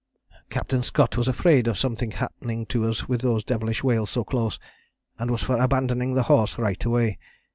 "Captain Scott was afraid of something happening to us with those devilish whales so close, and was for abandoning the horse right away.